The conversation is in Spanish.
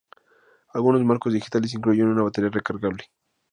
Algunos marcos digitales incluyen una batería recargable.